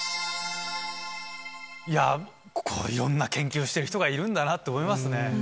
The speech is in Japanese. いやいろんな研究をしてる人がいるんだなと思いますね。